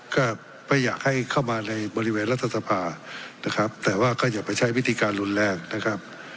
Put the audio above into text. ก็ไม่อยากให้เข้ามาในบริเวณรัฐสภานะครับแต่ว่าก็อย่าไปใช้วิธีการรุนแรงนะครับ